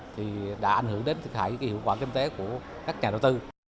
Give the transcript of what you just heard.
thì đã ảnh hưởng đến thực hại hiệu quả kinh tế của các nhà đầu tư